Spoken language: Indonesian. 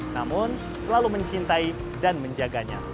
namun selalu mencintai dan menjaganya